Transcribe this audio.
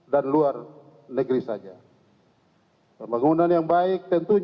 dan juga berapa jumlah masing masing investasi